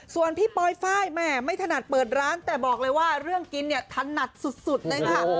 ส่วนพี่ปอยไฟล์แม่ไม่ถนัดเปิดร้านแต่บอกเลยว่าเรื่องกินเนี่ยถนัดสุดเลยค่ะ